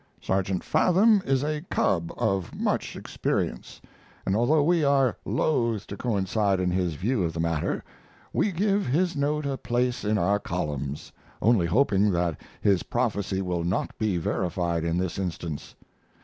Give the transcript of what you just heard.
Sergeant Fathom is a "cub" of much experience, and although we are loath to coincide in his view of the matter, we give his note a place in our columns, only hoping that his prophecy will not be verified in this instance.